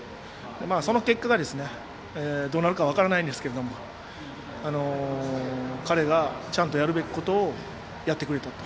その結果が、どうなるかは分からないんですけれども彼がちゃんとやるべきことをやってくれたと。